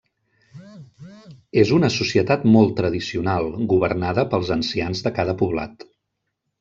És una societat molt tradicional, governada pels ancians de cada poblat.